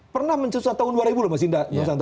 pernah mencusa tahun dua ribu loh mas indra